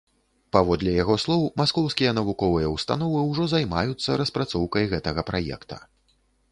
Паводле яго слоў, маскоўскія навуковыя ўстановы ўжо займаюцца распрацоўкай гэтага праекта.